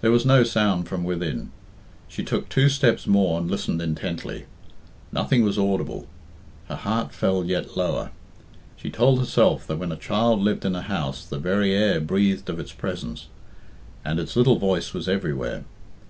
There was no sound from within. She took two steps more and listened intently. Nothing was audible. Her heart fell yet lower. She told herself that when a child lived in a house the very air breathed of its presence, and its little voice was everywhere.